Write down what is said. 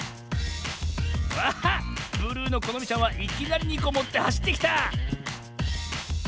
あっブルーのこのみちゃんはいきなり２こもってはしってきた！